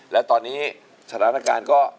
และตอนนี้สถานการณ์ก็